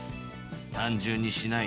単純にしない。